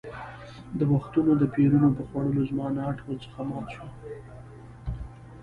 د وختونو د پېرونو په خوړلو زما ناټ ور څخه مات شو.